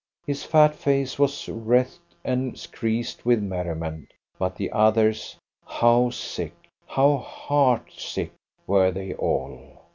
His fat face was wreathed and creased with merriment. But the others, how sick, how heart sick, were they all!